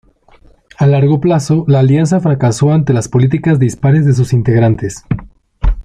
A largo plazo, la Alianza fracasó ante las políticas dispares de sus integrantes.